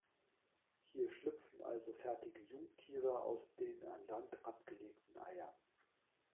Hier schlüpfen also fertige Jungtiere aus den an Land abgelegten Eiern.